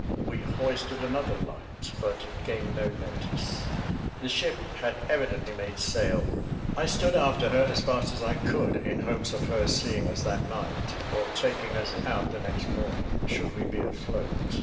We hoisted another light, but it gained no notice: the ship had evidently made sail. I stood after her as fast as I could, in hopes of her seeing us that night, or taking us out the next morning, should we be afloat.